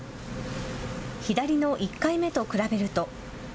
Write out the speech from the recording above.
左の１回目と比べると。